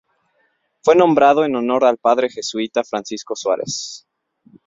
Fue nombrado en honor al padre jesuita Francisco Suárez.